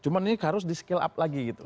cuma ini harus di scale up lagi gitu